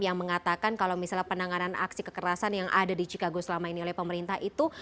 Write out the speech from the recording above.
yang mengatakan kalau misalnya penanganan aksi kekerasan yang ada di chicago selama ini oleh pemerintah itu